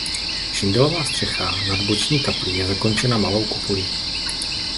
Šindelová střecha nad boční kaplí je zakončena malou kopulí.